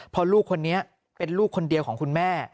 เพราะลูกคนนี้เป็นลูกคนเดียวของคุณแม่